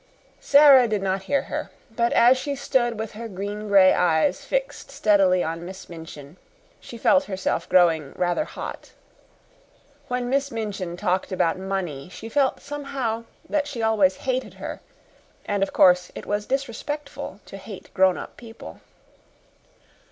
Sara did not hear her; but as she stood with her green gray eyes fixed steadily on Miss Minchin, she felt herself growing rather hot. When Miss Minchin talked about money, she felt somehow that she always hated her and, of course, it was disrespectful to hate grown up people.